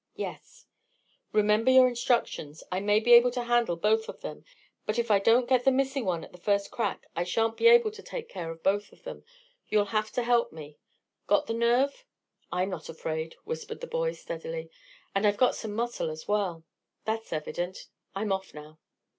"Yes." "Remember your instructions. I may be able to handle both of them, but if I don't get the missing one at the first crack I shan't be able to take care of them both. You'll have to help me. Got the nerve?" "I'm not afraid," whispered the boy steadily. "And I've got some muscle as well." "That's evident. I'm off now."